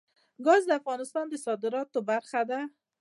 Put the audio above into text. ګاز د افغانستان د صادراتو برخه ده.